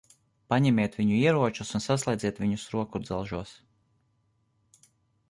Paņemiet viņu ieročus un saslēdziet viņus rokudzelžos.